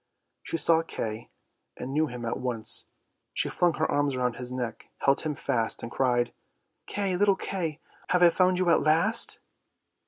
She saw Kay, and knew him at once; she flung her arms round his neck, held him fast, and cried, " Kay, little Kay, have I found you at last?